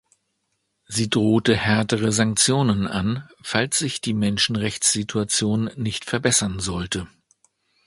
Sie drohte härtere Sanktionen an, falls sich die Menschenrechtssituation nicht verbessern sollte.